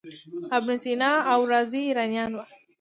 ابن سینا او رازي ایرانیان وو.